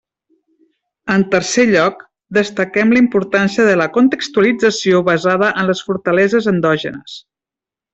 En tercer lloc, destaquem la importància de la contextualització basada en les fortaleses endògenes.